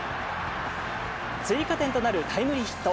追加点となるタイムリーヒット。